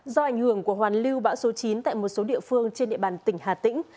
do ảnh hưởng của hoàn lưu bão số chín tại một số địa phương trên địa bàn tỉnh hà tĩnh